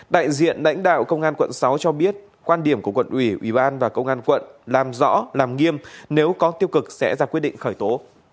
đại diện lãnh đạo công an quận sáu cho biết quan điểm của quận ủy ủy ban và công an quận làm rõ làm nghiêm nếu có tiêu cực sẽ ra quyết định khởi tố